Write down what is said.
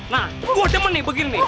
nah gue demen nih begini